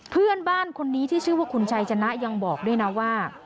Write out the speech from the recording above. เพื่อนบ้านคนนี้ที่ชื่อว่าคุณชัยชนะยังบอกด้วยนะว่า